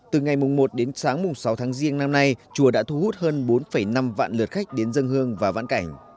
từ ngày một đến sáng mùng sáu tháng riêng năm nay chùa đã thu hút hơn bốn năm vạn lượt khách đến dân hương và vãn cảnh